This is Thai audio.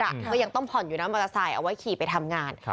ก็ยังต้องผ่อนอยู่นะมอเตอร์ไซค์เอาไว้ขี่ไปทำงาน